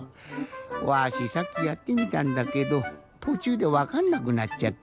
わしさっきやってみたんだけどとちゅうでわかんなくなっちゃった。